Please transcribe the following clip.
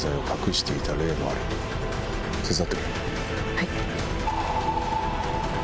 はい。